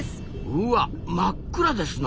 うわ真っ暗ですな。